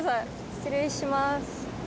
失礼します。